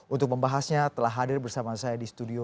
untuk pembahasnya telah hadir bersama saya mbak suciwati